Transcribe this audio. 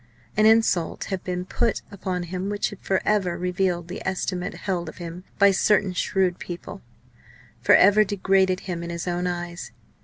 An insult had been put upon him which had for ever revealed the estimate held of him by certain shrewd people, for ever degraded him in his own eyes.